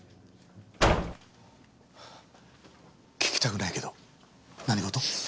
聞きたくないけど何事？